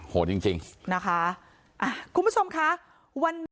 โหดจริงนะคะคุณผู้ชมค่ะ